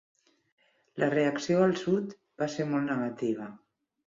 La reacció al sud va ser molt negativa.